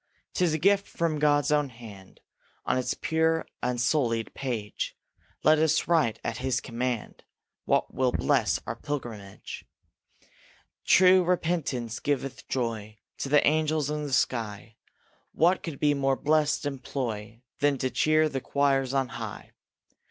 'Tis a gift from God's own hand. On its pure unsullied page Let us write at his command What will bless our pilgrimage. True repentance giveth joy To the angels in the sky. What could be more blest employ Than to cheer the choirs on high?